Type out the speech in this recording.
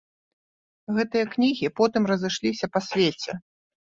Гэтыя кнігі потым разышліся па свеце.